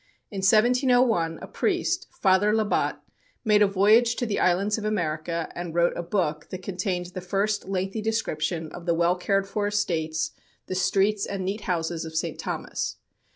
In 1701, a priest, Father Labat, made a voyage to the islands of America and wrote a book that contained the first lengthy description of the well cared for estates, the streets and neat houses of St. Thomas.